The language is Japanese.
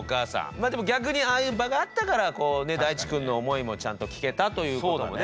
まあでも逆にああいう場があったからだいちくんの思いもちゃんと聞けたということもね